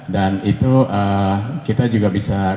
dan itu kita juga bisa